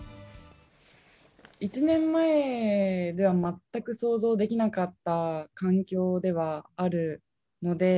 １年前では全く想像できなかった環境ではあるので。